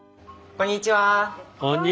こんにちは。